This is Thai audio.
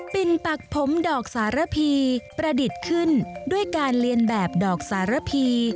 ปักผมดอกสารพีประดิษฐ์ขึ้นด้วยการเรียนแบบดอกสารพี